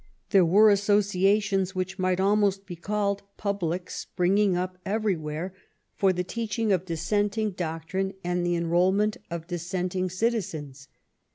There were asso ciations which might almost be called public springing up everywhere for the teaching of dissenting doctrine 68 DISSENT AND DEFOE and the enrolment of dissenting citizens.